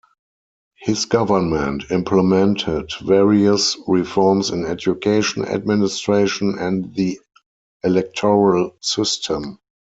His government implemented various reforms in education, administration and the electoral system.